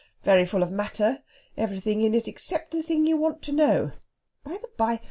Very full of matter everything in it except the thing you want to know. By the bye